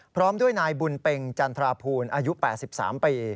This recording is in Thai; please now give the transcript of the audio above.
พร้อมด้วยนายบุญเป็งจันทราภูลอายุ๘๓ปี